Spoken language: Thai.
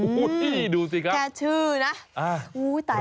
โอ้โฮดูสิครับแค่ชื่อนะโอ้โฮตายแล้ว